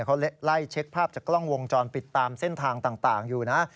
เขาไล่เช็คภาพจากกล้องวงจรปิดตามเส้นทางต่างอยู่นะ